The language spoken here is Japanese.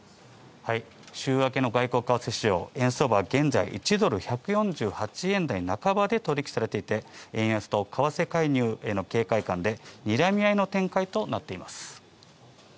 週明けの外国為替市場、円相場は現在、１ドル＝１４８円台半ばで取引されていて、円安と為替介入への警戒感でにらみ合いの展開となっています。